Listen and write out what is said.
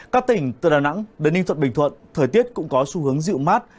các tỉnh từ đà nẵng đến ninh thuận bình thuận thời tiết cũng có xu hướng dịu mát